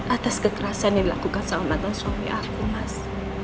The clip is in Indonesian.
atas kekerasan yang dilakukan sama mantan suami aku mas